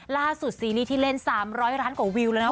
ซีนี่ที่เล่น๓๐๐ล้านกว่าวิวแล้วนะ